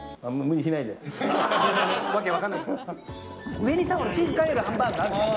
上にチーズかけたハンバーグあるじゃん。